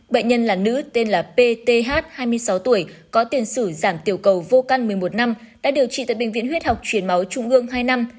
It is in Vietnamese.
bệnh nhân là nữ tên là p t h hai mươi sáu tuổi có tiền sử giảm tiểu cầu vô căn một mươi một năm đã điều trị tại bệnh viện huyết học chuyển máu trung ương hai năm